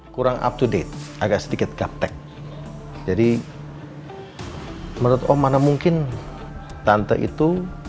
kurang up to date agak sedikit gaptek jadi menurut om mana mungkin tante itu